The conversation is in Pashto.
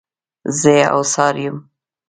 زه اوڅار یم.